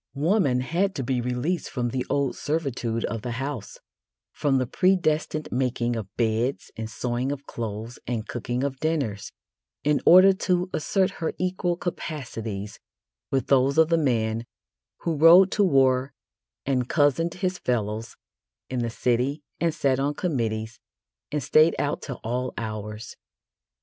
Woman had to be released from the old servitude of the house from the predestined making of beds and sewing of clothes and cooking of dinners in order to assert her equal capacities with those of the man who rode to war and cozened his fellows in the city and sat on committees and stayed out till all hours.